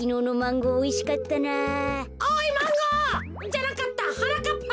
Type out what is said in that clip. じゃなかったはなかっぱ。